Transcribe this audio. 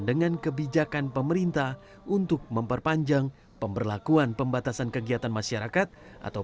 dengan kebijakan pemerintah untuk memperpanjang pemberlakuan pembatasan kegiatan masyarakat atau